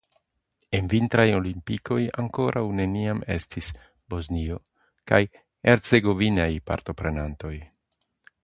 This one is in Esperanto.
En vintraj olimpikoj ankoraŭ neniam estis Bosnio kaj Hercegovinaj partoprenantoj.